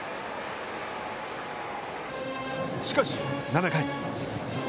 しかし、７回。